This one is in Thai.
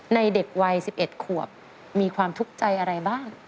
เด็กวัย๑๑ขวบมีความทุกข์ใจอะไรบ้าง